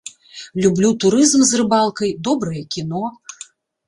Люблю турызм з рыбалкай, добрае кіно.